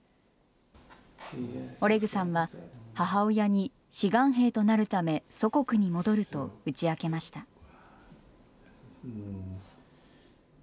オレグさんは母親に志願兵となるため祖国に戻ると打ち明けました。